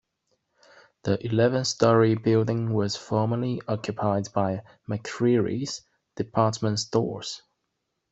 The eleven-story building was formerly occupied by McCreery's Department Stores.